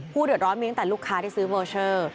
เดือดร้อนมีตั้งแต่ลูกค้าที่ซื้อเวอร์เชอร์